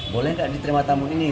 boleh nggak diterima tamu ini